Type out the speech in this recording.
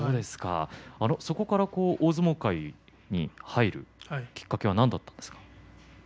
そこから大相撲界に入るきっかけは何ですか。